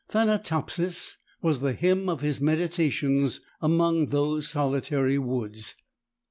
"Thanatopsis" was the hymn of his meditations among those solitary woods.